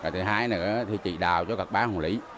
thứ hai chỉ đào cho các bán hồ lý